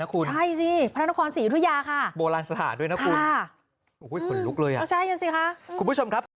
คุณผู้ชมครับ